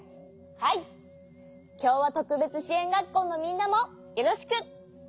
はいきょうわとくべつしえんがっこうのみんなもよろしく。